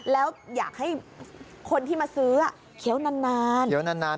แล้วอยากให้คนที่มาซื้อเคี้ยวนานเคี้ยวนาน